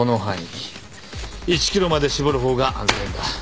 １ｋｍまで絞る方が安全だ。